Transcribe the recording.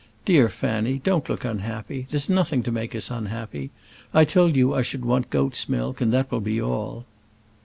"Dear Fanny, don't look unhappy; there's nothing to make us unhappy. I told you I should want goat's milk, and that will be all."